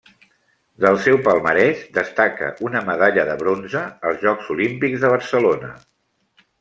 Del seu palmarès destaca una medalla de bronze als Jocs Olímpics de Barcelona.